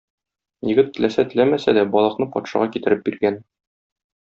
Егет, теләсә-теләмәсә дә, балыкны патшага китереп биргән.